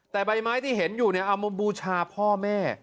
แต่ใบไม้ที่เห็นอยู่เนี่ยเอามาบูชาพ่อแม่